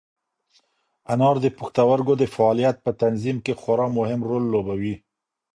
انار د پښتورګو د فعالیت په تنظیم کې خورا مهم رول لوبوي.